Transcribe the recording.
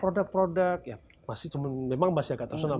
produk produk ya memang masih agak terkenal